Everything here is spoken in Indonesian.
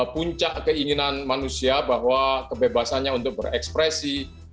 puncak keinginan manusia bahwa kebebasannya untuk berekspresi